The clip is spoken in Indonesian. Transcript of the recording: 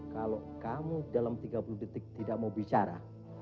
kalau kamu dalam tiga puluh detik tidak mau bicara